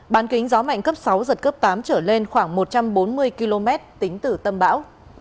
bán kính gió mạnh cấp sáu giật cấp tám trở lên khoảng một trăm bốn mươi km tính từ tâm bão